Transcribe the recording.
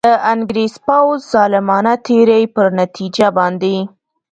د انګرېز پوځ ظالمانه تېري پر نتیجه باندي.